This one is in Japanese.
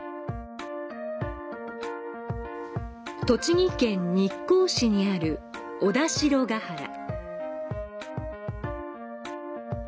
栃木県日光市にある小田代原。